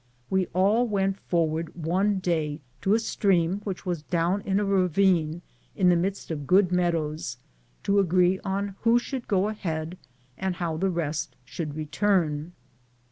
We all went forward one day to a stream which was down in a ravine in the midst of good meadows, to agree on who should go ahead and how the rest should return.